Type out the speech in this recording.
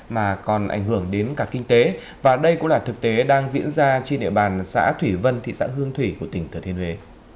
mà còn ảnh hưởng đến cả kinh tế và đây cũng là thực tế đang diễn ra trên địa bàn xã thủy vân thị xã hương thủy của tỉnh thừa thiên huế